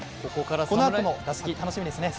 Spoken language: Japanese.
このあとの打席、楽しみですね。